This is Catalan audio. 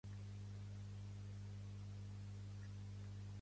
Any bixest, any funest.